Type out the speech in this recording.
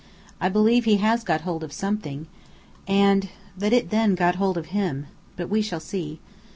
I believe he has got hold of something, and that it then got hold of him. But we shall see."